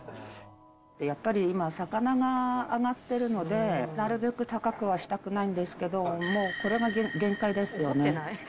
やっぱり今、魚が上がってるので、なるべく高くはしたくないんですけど、もう、これが限界ですよね。